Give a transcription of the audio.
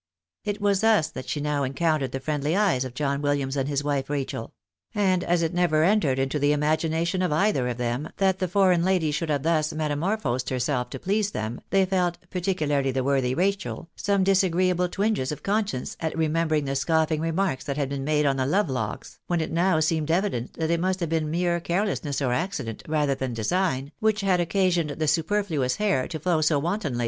It was thus that she now encountered the friendly eyes of John WiUiams and his wife Eachel ; and as it never entered into the imagination of either of them that the foreign lady should have thus metamorphosed herself to please them, they felt, particularly the worthy Eachel, some disagreeable twinges of conscience at remembering the scoffing remarks that had been made on the love locks, when it now seemed evident that it must have been mere carelessness or accident, rather than design, which had occasioned the superfluous hair to flow so wantonly.